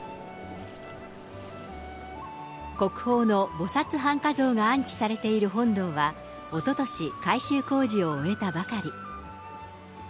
国宝の菩薩半跏像が安置されている本堂は、おととし、改修工事を終えたばかり。